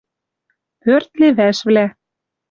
Пӧрт левӓшвлӓ —